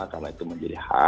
karena itu menjadi hal